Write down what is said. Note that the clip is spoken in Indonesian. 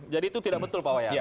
jadi itu tidak betul pak wayan